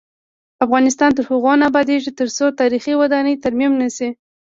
افغانستان تر هغو نه ابادیږي، ترڅو تاریخي ودانۍ ترمیم نشي.